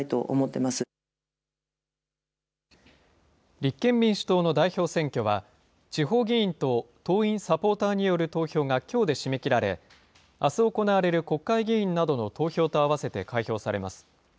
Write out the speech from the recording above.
立憲民主党の代表選挙は、地方議員と党員・サポーターによる投票がきょうで締め切られ、あす行われる国会議員などの投票とあわせて開票されます。